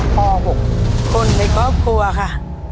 ป๖คนในครอบครัวค่ะ